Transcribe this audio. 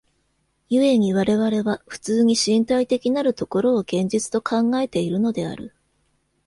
故に我々は普通に身体的なる所を現実と考えているのである。